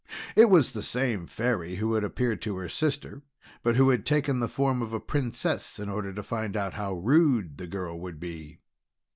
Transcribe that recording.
It was the same Fairy who had appeared to her sister, but who had taken the form of a Princess in order to find how rude the girl would be.